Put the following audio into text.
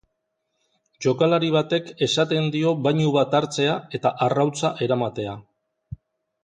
Jokalari batek esaten dio bainu bat hartzea eta arrautza eramatea.